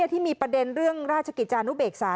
ที่มีประเด็นเรื่องราชกิจจานุเบกษา